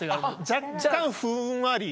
若干ふんわり。